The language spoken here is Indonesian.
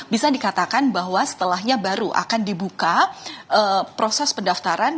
bisa dikatakan bahwa setelahnya baru akan dibuka proses pendaftaran